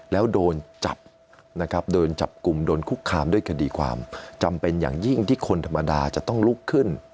แล้วโดนจับนะครับโดนจับกลุ่มโดนคุกคามด้วยคดีความจำเป็นอย่างยิ่งที่คนธรรมดาจะต้องลุกขึ้น